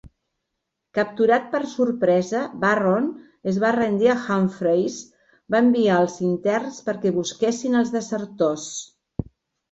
Capturat per sorpresa, Barron es va rendir i Humphreys va enviar als interns perquè busquessin els desertors.